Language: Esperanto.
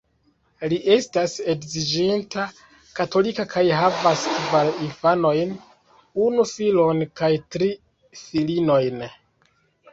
Li estas edziĝinta, katolika kaj havas kvar infanojn, unu filon kaj tri filinojn.